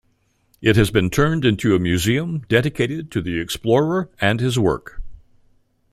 It has been turned into a museum dedicated to the explorer and his work.